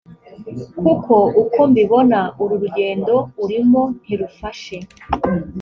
kuko uko mbibona, uru rugendo urimo ntirufashe.